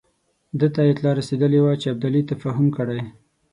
ده ته اطلاع رسېدلې وه چې ابدالي تفاهم کړی.